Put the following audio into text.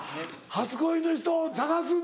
初恋の人捜すんだ。